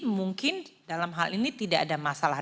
mungkin dalam hal ini tidak ada masalah